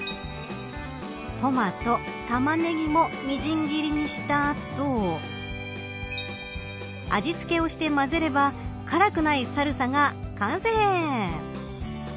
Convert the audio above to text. トマト、タマネギもみじん切りにした後味付けをして混ぜれば辛くないサルサが完成。